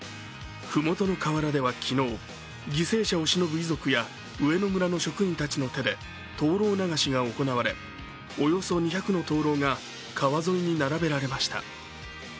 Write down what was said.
麓の河原では昨日、犠牲者をしのぶ遺族や上野村の職員たちの手で灯籠流しが行われおよそ２００の灯籠が川沿いに並べられました。